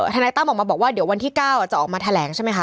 ทนายตั้มออกมาบอกว่าเดี๋ยววันที่๙จะออกมาแถลงใช่ไหมคะ